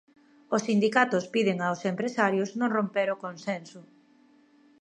Os sindicatos piden aos empresarios non romper o consenso.